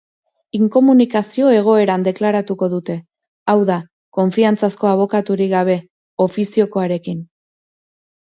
Inkomunikazio egoeran deklaratuko dute, hau da, konfiantzazko abokaturik gabe, ofiziokoarekin.